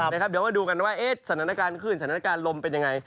เดี๋ยวมาดูกันว่าสถานการณ์ขึ้นสถานการณ์ลมเป็นยังไง